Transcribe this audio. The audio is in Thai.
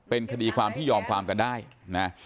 เป็นคดีความที่ยอมความกันได้นะ